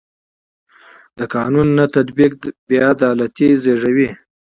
د قانون نه تطبیق بې عدالتي زېږوي